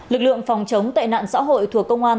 lực lượng phòng chống tệ nạn xã hội thuộc công an